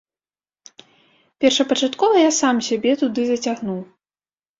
Першапачаткова я сам сябе туды зацягнуў.